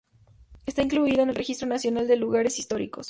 Está incluido en el Registro Nacional de Lugares Históricos.